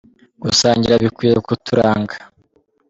gusangira bikwiye kuturanga.